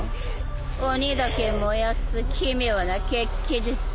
鬼だけ燃やす奇妙な血鬼術。